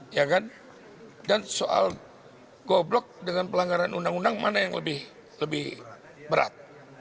ya kan dan soal goblok dengan pelanggaran undang undang mana yang lebih berat